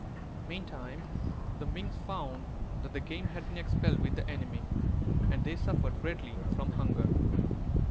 Meantime, the Minks found that the game had been expelled with the enemy, and they suffered greatly from hunger.